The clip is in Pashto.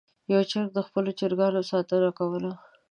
یو چرګ د خپلو چرګانو ساتنه کوله.